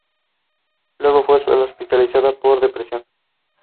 He is internationally best known for his role in Queen of Hearts.